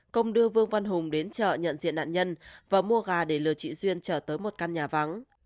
công đưa vương văn hùng đến chợ nhận diện nạn nhân và mua gà để lừa chị duyên trở tới một căn nhà vắng